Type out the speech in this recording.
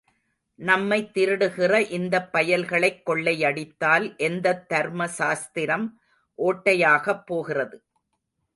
நம்மைத் திருடுகிற இந்தப் பயல்களைக் கொள்ளையடித்தால் எந்தத் தர்ம சாஸ்திரம் ஓட்டையாகப் போகிறது.